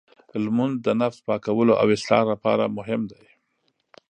لمونځ د نفس پاکولو او اصلاح لپاره مهم دی.